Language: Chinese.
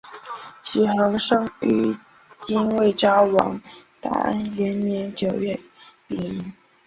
许衡生于金卫绍王大安元年九月丙寅。